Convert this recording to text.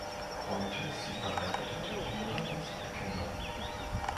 Heute ist sie verheiratet und Mutter von zwei Kindern.